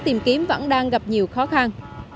tìm kiếm vẫn đang gặp nhiều khó khăn